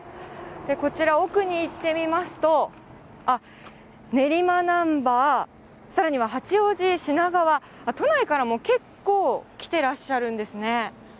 こちら、奥に行ってみますと、練馬ナンバー、さらには八王子、品川、都内からも結構、来てらっしゃるんですね。